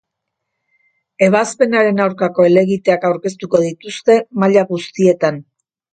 Ebazpenaren aurkako helegiteak aurkeztuko dituzte, maila guztietan.